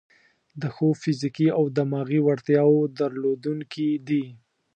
د ښو فزیکي او دماغي وړتیاوو درلودونکي دي.